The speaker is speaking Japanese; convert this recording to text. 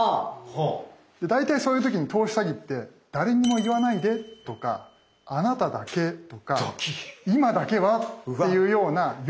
大体そういう時に投資詐欺って「誰にも言わないで」とか「あなただけ」とか「今だけは」というような要注意ワードを言うんですよ。